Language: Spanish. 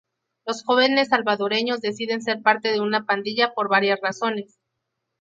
Los jóvenes salvadoreños deciden ser parte de una pandilla por varias razones.